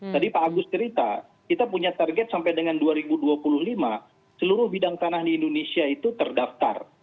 tadi pak agus cerita kita punya target sampai dengan dua ribu dua puluh lima seluruh bidang tanah di indonesia itu terdaftar